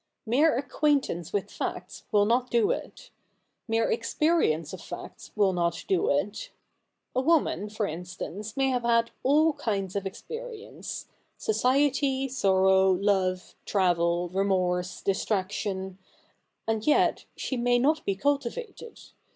Mere acquaintance with facts will not do it. Mere ex perience of facts will not do it. A woman, for in stance, may have had all kinds of experience — society, sorrow, love, travel, remorse, distraction— and yet she may not b'e cultivated.